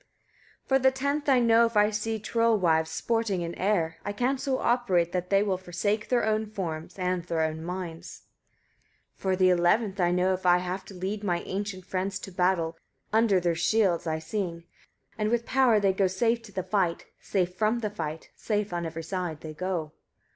157. For the tenth I know, if I see troll wives sporting in air, I can so operate that they will forsake their own forms, and their own minds. 158. For the eleventh I know, if I have to lead my ancient friends to battle, under their shields I sing, and with power they go safe to the fight, safe from the fight; safe on every side they go.